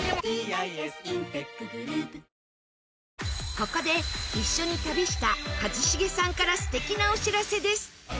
ここで、一緒に旅した一茂さんから素敵なお知らせです